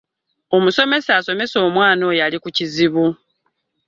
Omusomesa asomesa omwana oyo ali kukizibu.